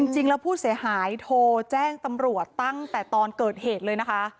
จริงแล้วผู้เสียหายโทรแจ้งตำรวจตั้งแต่ตอนเกิดเหตุเลยนะคะ